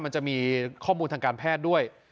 มันจะมีข้อมูลทางการแพทย์ด้วย